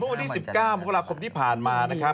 เมื่อวันที่๑๙พคที่ผ่านมา